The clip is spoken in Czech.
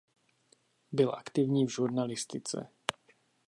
Byl aktivní v žurnalistice.